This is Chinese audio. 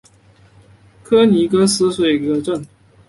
克尼格斯海恩是德国萨克森州的一个市镇。